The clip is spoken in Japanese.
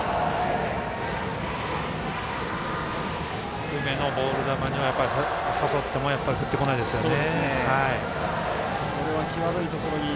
低めのボール球には誘ってもやっぱり振ってこないですよね。